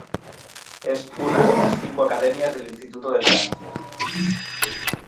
Es una de las cinco academias del Instituto de Francia.